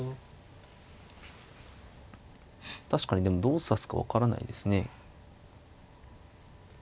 確かにでもどう指すか分からないですね。